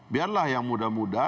biarlah yang muda muda